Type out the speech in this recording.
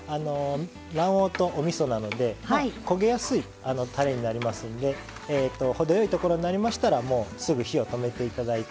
卵黄とおみそなので焦げやすいたれになりますんで程よいところになりましたらもうすぐ火を止めて頂いて。